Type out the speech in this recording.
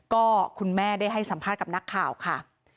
ก็คุณแม่ได้ให้สัมภาษณ์กับนักข่าวค่ะ